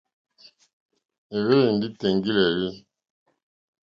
Éhwélì ndí tèŋɡílǃélí.